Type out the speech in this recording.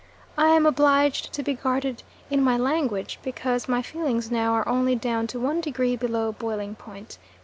I am obliged to be guarded in my language, because my feelings now are only down to one degree below boiling point.